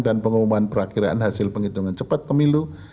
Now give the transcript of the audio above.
dan pengumuman perakhiran hasil penghitungan cepat pemilu